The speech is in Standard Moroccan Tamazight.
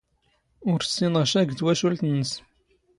ⵓⵔ ⵙⵙⵉⵏⵖ ⵛⴰ ⴳ ⵜⵡⴰⵛⵓⵍⵜ ⵏⵏⵙ.